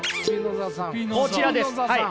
こちらですはい。